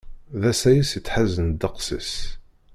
D asayes yettḥazen ddeqs-is.